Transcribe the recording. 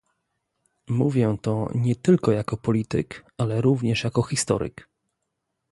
Mówię to nie tylko jako polityk, ale również jako historyk